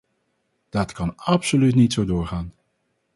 Dat kan absoluut niet zo doorgaan.